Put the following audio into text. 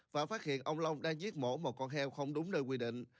và phát hiện ông long đang giết mổ một con heo không đúng nơi quy định